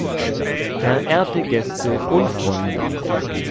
Verehrte Gäste und Freunde.